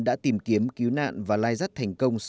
đã tìm kiếm cứu nạn và lai rắt thành công